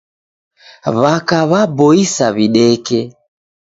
W'aka w'aboisa w'ideke.